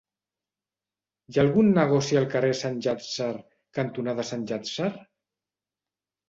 Hi ha algun negoci al carrer Sant Llàtzer cantonada Sant Llàtzer?